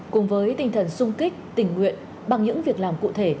cùng với tinh thần sung kích tình nguyện bằng những việc làm cụ thể